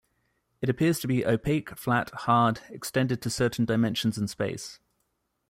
It appears to be opaque, flat, hard, extended to certain dimensions in space.